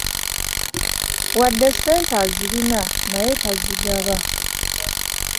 Wadde ssente azirina naye tazigaba.